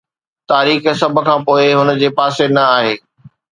تاريخ سڀ کان پوء هن جي پاسي نه آهي